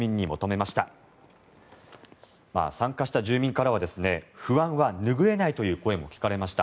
参加した住民からは不安は拭えないという声も聞かれました。